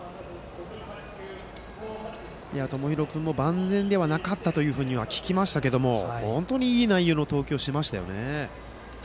友廣君も万全ではなかったとは聞きましたけれども本当にいい内容の投球をしましたね。